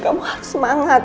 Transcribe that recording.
kamu harus semangat